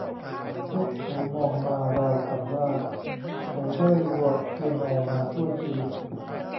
พวกเขามองมาราวกับว่า เขาได้รัวเปียโนมาชั่วชีวิต